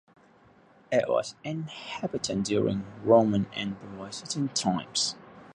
It was inhabited during Roman and Byzantine times.